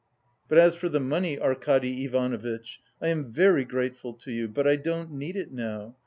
"But as for the money, Arkady Ivanovitch, I am very grateful to you, but I don't need it now.